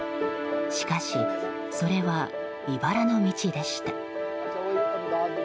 しかし、それはいばらの道でした。